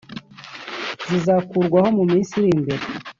kizakurwaho mu minsi iri imbere